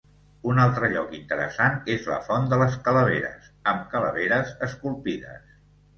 Un altre lloc interessant és la font de les calaveres, amb calaveres esculpides.